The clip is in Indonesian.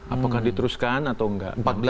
apakah diteruskan atau enggak